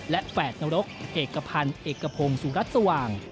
และแฝดนรกเอกพันธ์เอกพงศุรัสตร์สว่าง